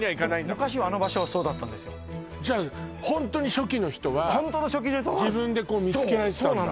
昔はあの場所はそうだったじゃあホントに初期の人はホントの初期自分でこう見つけられてたんだ？